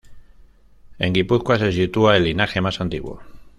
En Guipúzcoa se sitúa el linaje más antiguo.